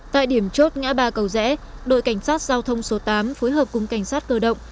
tại điểm chốt ngã ba cầu rẽ đội cảnh sát giao thông số tám phối hợp cùng cảnh sát cơ động